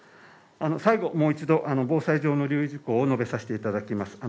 最後もう一度あの防災上の留意事項を述べさしていただきます